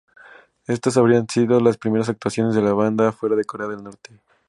Estas habrían las primeras actuaciones de la banda fuera de Corea del Norte.